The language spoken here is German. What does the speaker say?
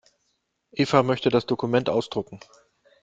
Eva möchte das Dokument ausdrucken.